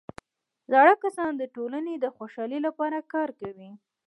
زاړه کسان د ټولنې د خوشحالۍ لپاره کار کوي